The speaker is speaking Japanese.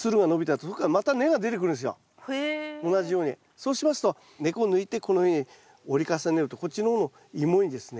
そうしますと根っこを抜いてこのように折り重ねるとこっちの方のイモにですね